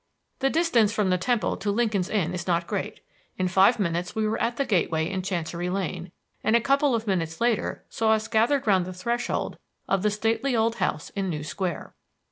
The distance from the Temple to Lincoln's Inn is not great. In five minutes we were at the gateway in Chancery Lane, and a couple of minutes later saw us gathered round the threshold of the stately old house in New Square.